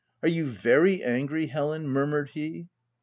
" Are you very angry, Helen V murmured he.